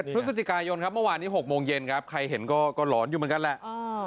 ๑๗พยครับมันวานนี้๖โมงเย็นครับใครเห็นก็ร้อนอยู่เหมือนกันแหละ